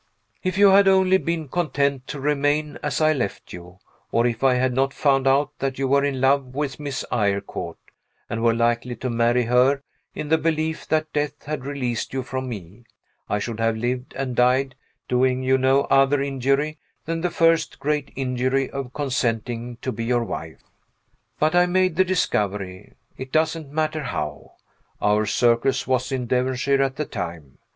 If you had only been content to remain as I left you or if I had not found out that you were in love with Miss Eyrecourt, and were likely to marry her, in the belief that death had released you from me I should have lived and died, doing you no other injury than the first great injury of consenting to be your wife. But I made the discovery it doesn't matter how. Our circus was in Devonshire at the time.